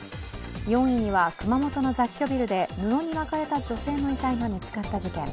４位には熊本の雑居ビルで布に巻かれた女性の遺体が見つかった事件。